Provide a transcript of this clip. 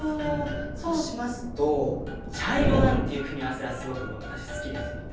そうしますとちゃいろなんていうくみあわせはすごくわたしすきですので。